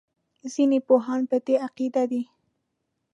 ځینې پوهان په دې عقیده دي.